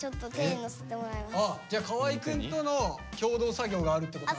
じゃあ河合くんとの共同作業があるってことなんだ。